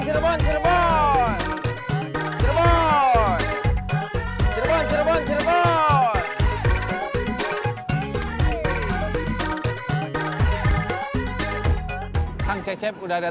terima kasih pak bapak